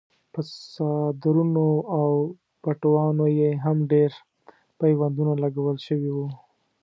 په څادرونو او پټوانو یې هم ډېر پیوندونه لګول شوي وو.